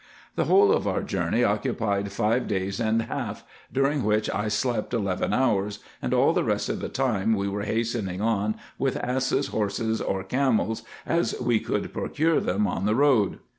The whole of our journey occupied five days and half, during which I slept eleven hours, and all the rest of the time we were hastening on with asses, horses, or camels, as we could procure them on the road.